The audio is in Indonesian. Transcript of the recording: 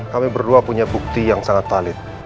kami berdua punya bukti yang sangat valid